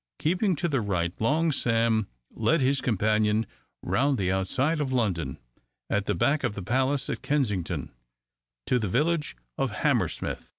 Keeping to the right, Long Sam led his companion round the outside of London, at the back of the palace at Kensington, to the village of Hammersmith.